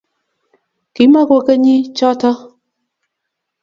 Kimakokenyi choto